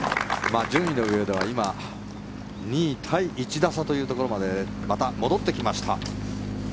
順位の上では今、２位タイ１打差というところまでまた戻ってきました。